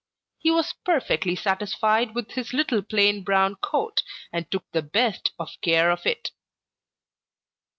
He was perfectly satisfied with his little plain brown coat and took the best of care of it.